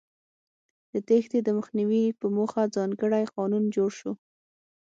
د تېښتې د مخنیوي په موخه ځانګړی قانون جوړ شو.